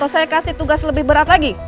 saya kasih tugas lebih berat lagi